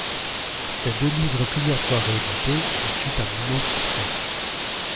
Ces deux livres plusieurs fois réédités, ont eu un immense succès.